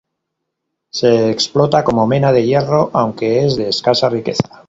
Se explota como mena de hierro, aunque es de escasa riqueza.